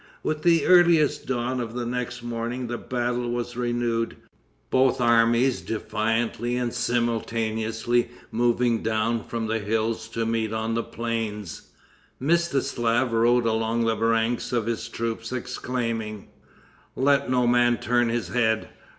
With the earliest dawn of the next morning the battle was renewed; both armies defiantly and simultaneously moving down from the hills to meet on the plains. Mstislaf rode along the ranks of his troops, exclaiming: "Let no man turn his head.